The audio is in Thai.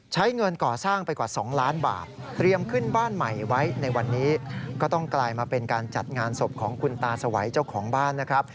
ใช้เงินก่อสร้างไปกว่า๒ล้านบาทเตรียมขึ้นบ้านใหม่ไว้ในวันนี้ก็ต้องกลายมาเป็นการจัดงานศพของคุณตาสวัยเจ้าของบ้านนะครับ